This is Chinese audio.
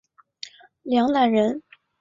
梁览人。